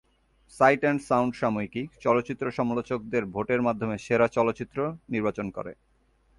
Site and sound সাময়িকী চলচ্চিত্র সমালোচকদের ভোটের মাধ্যমে সেরা চলচ্চিত্র নির্বাচন করে।